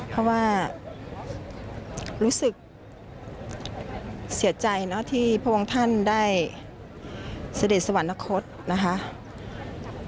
เพราะว่ารู้สึกเสียใจเนอะที่พระองค์ท่านได้เสด็จสวรรคตนะคะ